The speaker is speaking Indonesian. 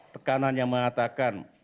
tekanan yang mengatakan